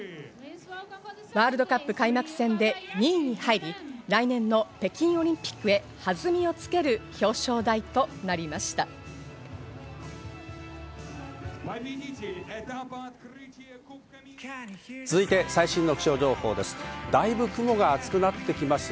ワールドカップ開幕戦で２位に入り、来年の北京オリンピックへ弾みをつける表彰台となりました。